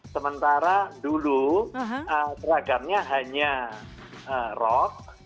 sementara dulu seragamnya hanya rock